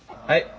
はい。